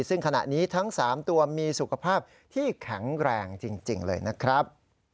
ซึ่งขณะนี้ทั้ง๓ตัวมีสุขภาพที่แข็งแรงจริงเลยนะครับ